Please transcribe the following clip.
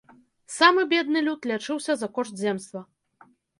Самы бедны люд лячыўся за кошт земства.